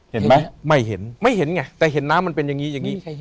เห็นไหมไม่เห็นไม่เห็นไงแต่เห็นน้ำมันเป็นอย่างนี้อย่างนี้